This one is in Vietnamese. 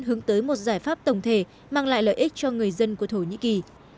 hướng tới một giải pháp tổng thể mang lại lợi ích cho người dân của thổ nhĩ kỳ